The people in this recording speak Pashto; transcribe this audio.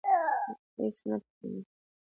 هېڅ نه پوهېدم.